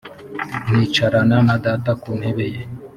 nkicarana na data ku ntebe ye